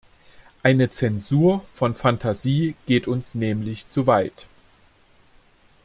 Eine Zensur von Phantasie geht uns nämlich zu weit.